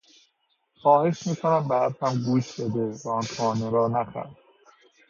خواهش میکنم به حرفم گوش بده و آن خانه را نخر.